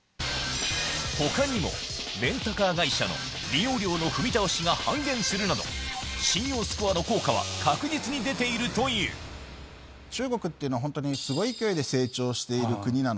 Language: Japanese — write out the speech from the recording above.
他にもレンタカー会社の利用料の踏み倒しが半減するなど信用スコアの効果は確実に出ているというしている国なので。